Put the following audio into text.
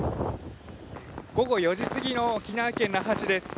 午後４時過ぎの沖縄県那覇市です。